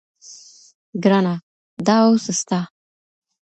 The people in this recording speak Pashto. ګرانه !دا اوس ستا